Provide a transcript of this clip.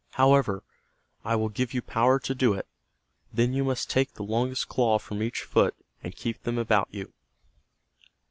However, I will give you power to do it. Then you must take the longest claw from each foot, and keep them about you."